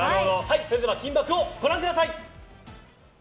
それでは「金バク！」をご覧ください。